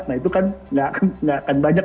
nah itu kan nggak akan banyak